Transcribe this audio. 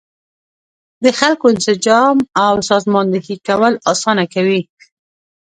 د خلکو انسجام او سازماندهي کول اسانه کوي.